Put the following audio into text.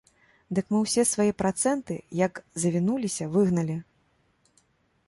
Дык мы ўсе свае працэнты, як завінуліся, выгналі.